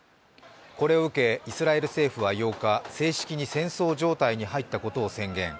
これを受け、イスラエル政府は８日正式に戦争状態に入ったことを宣言。